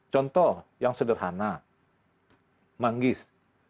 contoh yang sederhana manggis